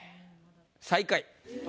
最下位。